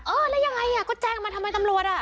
เออแล้วยังไงอ่ะก็แจ้งมาทำไมตำรวจอ่ะ